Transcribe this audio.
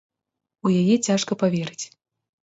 У яе цяжка паверыць.